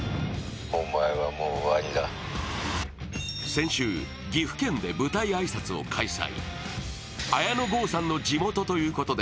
先週、岐阜県で舞台挨拶を開催。